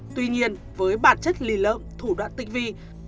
tuy nhiên với bản chất lì lợm thủ đoạn tinh vi